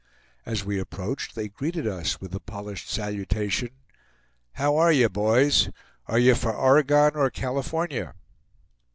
As we approached, they greeted us with the polished salutation: "How are ye, boys? Are ye for Oregon or California?"